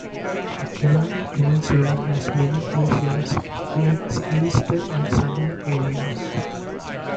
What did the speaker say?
The Kenai Peninsula has many glaciers in its eastern and southern areas.